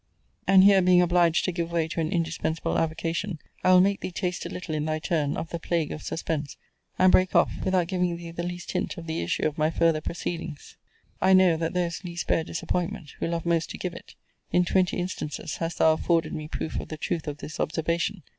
And here, being obliged to give way to an indispensable avocation, I will make thee taste a little, in thy turn, of the plague of suspense; and break off, without giving thee the least hint of the issue of my further proceedings. I know, that those least bear disappointment, who love most to give it. In twenty instances, hast thou afforded me proof of the truth of this observation.